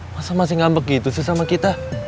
masa masih ngambek gitu sih sama kita